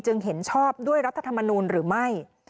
เห็นชอบด้วยรัฐธรรมนูลหรือไม่